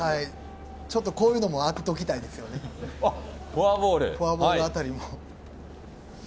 ちょっとこういうのも、あっておきたいんですよね、フォアボールあたりも。